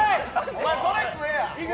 お前、それ食えや！